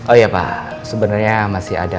oh iya pak sebenarnya masih ada